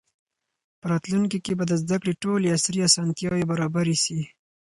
په راتلونکي کې به د زده کړې ټولې عصري اسانتیاوې برابرې سي.